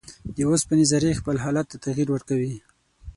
د اوسپنې ذرې خپل حالت ته تغیر ورکوي.